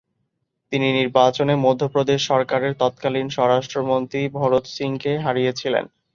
তিনি নির্বাচনে মধ্যপ্রদেশ সরকারের তৎকালীন স্বরাষ্ট্রমন্ত্রী ভরত সিংকে হারিয়েছিলেন।